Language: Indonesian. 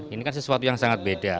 ini kan sesuatu yang sangat beda